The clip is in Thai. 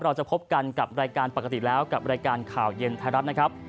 เราจะพบกันกับรายการปกติแล้วกับรายการข่าวเย็นไทยรัฐนะครับ